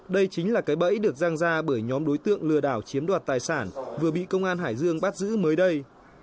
đây chính là cái bẫy được răng ra bởi nhóm đối tượng lừa đảo chiếm đoạt tài sản vừa bị công an hải dương bắt giữ mới đây